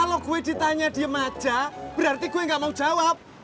kalau gue ditanya diem aja berarti gue gak mau jawab